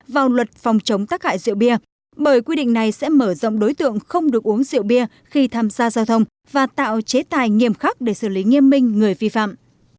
vào luật phòng chống tác hại rượu bia bởi quy định này sẽ mở rộng đối tượng không được uống rượu bia khi tham gia giao thông và tạo chế tài nghiêm khắc để xử lý nghiêm minh người vi phạm